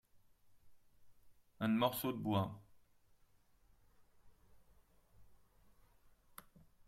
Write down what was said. Un morceau de bois.